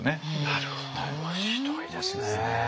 なるほど面白いですね。